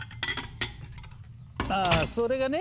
ああそれがね